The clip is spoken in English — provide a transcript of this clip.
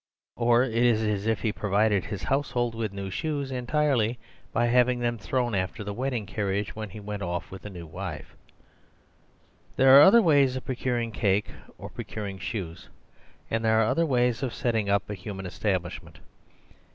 Or it is as if he pro vided his household with new shoes, entirely by having them thrown after the wedding car riage when he went off with a new wife. There are other ways of procuring cake or purchasing shoes; and there are other ways The Tragedies of Marriage 107 of setting up a human establishment.